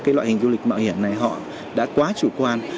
cái loại hình du lịch mạo hiểm này họ đã quá chủ quan